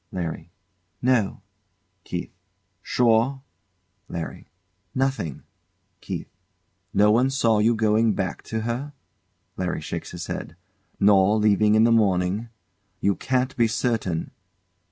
LARRY. No. KEITH. Sure? LARRY. Nothing. KEITH. No one saw you going back to her? [LARRY shakes his head. ] Nor leave in the morning? You can't be certain.